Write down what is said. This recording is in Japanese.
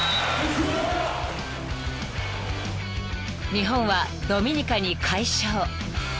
［日本はドミニカに快勝］